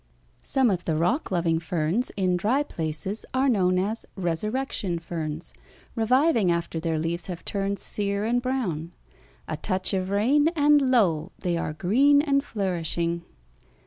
Some of the rock loving ferns in dry places are known as "resurrection" ferns, reviving after their leaves have turned sere and brown. A touch of rain, and lo! they are green and flourishing.